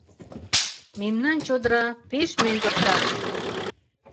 Мемнан чодыра пеш мӱндыр да